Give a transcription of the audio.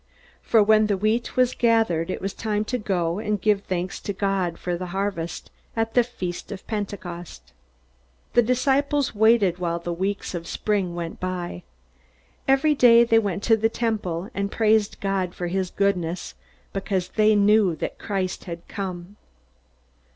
For when the wheat was gathered, it was time to go and give thanks to God for the harvest, at the Feast of Pentecost. The disciples waited while the weeks of spring went by. Every day they went to the Temple and praised God for his goodness, because they knew that Christ had come.